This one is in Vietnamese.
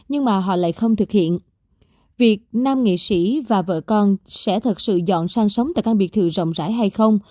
hiện việc nam nghị sĩ và vợ con sẽ thật sự dọn sang sống tại căn biệt thự rộng rãi hay không